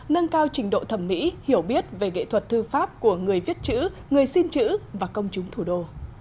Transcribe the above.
nâng cao trình độ thẩm mỹ hiểu biết về nghệ thuật thư pháp của người viết chữ người xin chữ và công chúng thủ đô